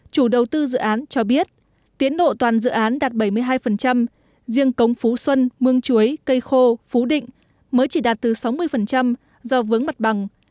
chủ đầu tư dự án cho biết tiến độ toàn dự án đạt bảy mươi hai riêng cống phú xuân mương chuối cây khô phú định mới chỉ đạt từ sáu mươi do vướng mặt bằng